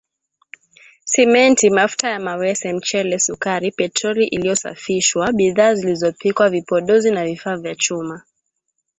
Simenti mafuta ya mawese mchele sukari petroli iliyosafishwa bidhaa zilizopikwa vipodozi na vifaa vya chuma